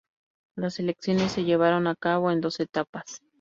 Las elecciones se llevaron a cabo en dos etapas.